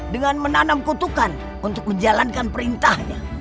dengan menanam kutukan untuk menjalankan perintahnya